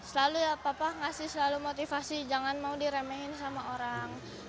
selalu ya papa ngasih selalu motivasi jangan mau diremehin sama orang